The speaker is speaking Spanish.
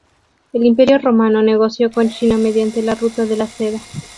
El Imperio Romano negoció con China mediante la Ruta de la Seda.